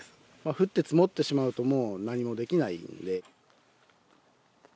降って積もってしまうともう何もできないので。